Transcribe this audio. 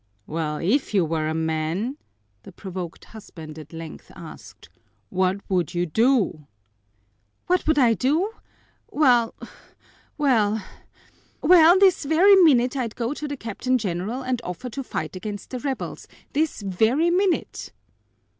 "Well, if you were a man," the provoked husband at length asked, "what would you do?" "What would I do? Well well well, this very minute I'd go to the Captain General and offer to fight against the rebels, this very minute!"